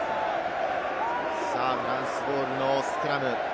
さぁ、フランスボールのスクラム。